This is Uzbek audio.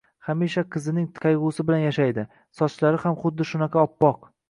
hamisha qizining qaygʻusi bilan yashaydi, sochlari ham xuddi shunaqa oppoq.